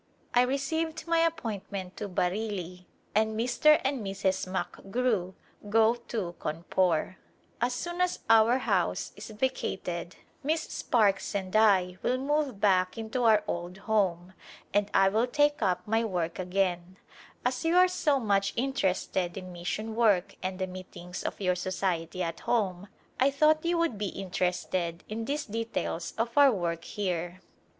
I received my appointment to Bareilly and Mr. and Mrs. McGrew go to Cawnpore. As soon as our house [ii8] Second Journey to hidia is vacated Miss Sparkes and I will move back into our old home and I will take up my work again. As you are so much interested in mission work and the meet ings of your Society at home I thought you would be interested in these details of our work here.